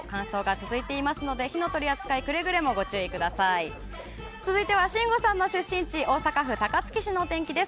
続いては信五さんの出身地大阪府高槻市のお天気です。